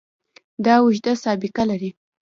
دا اوږده سابقه لري.